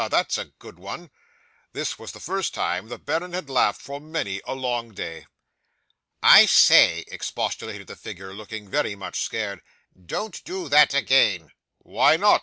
that's a good one." (This was the first time the baron had laughed for many a long day.) '"I say," expostulated the figure, looking very much scared; "don't do that again." '"Why not?"